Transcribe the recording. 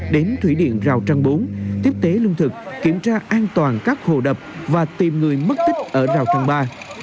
đến thủy điện rào trăng bốn tiếp tế lương thực kiểm tra an toàn các hồ đập và tìm người mất tích ở rào thôn ba